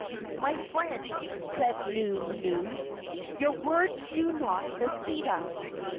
"My friend," said Nunu, "your words do not mislead us.